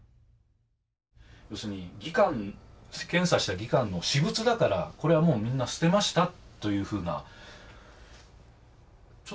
要するに技官「検査した技官の私物だからこれはもうみんな捨てました」というふうなちょっと。